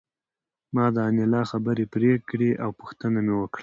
ما د انیلا خبرې پرې کړې او پوښتنه مې وکړه